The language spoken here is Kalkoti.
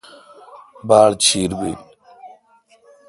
باڑ چیر بل۔